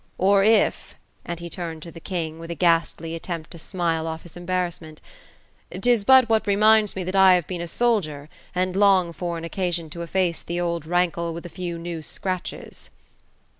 '* Or if," and he turned to the king, with a ghastly attempt to smile off his embarrassment, — "'tis but what reminds me that I have been a soldier, and long for an occasion to efface the old rankle with a few new scratches."